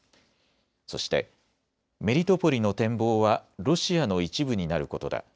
そしてメリトポリの展望はロシアの一部になることだ。